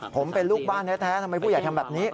ผมเป็นลูกบ้านแท้ทำไมผู้ใหญ่ทำแบบนี้